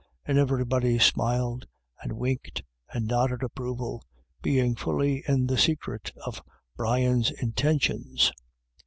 And every body smiled and winked and nodded approval, being fully in the secret of Brian's intentions.